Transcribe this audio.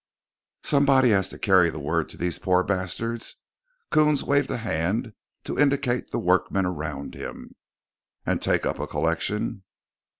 "Somebody has to carry the word to these poor bastards." Coons waved a hand to indicate the workmen around him. "And take up a collection?"